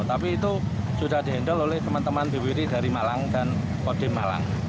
tapi itu sudah dihendal oleh teman teman bpbd dari malang dan kodem malang